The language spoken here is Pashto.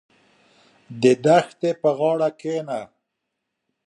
• د دښتې په غاړه کښېنه.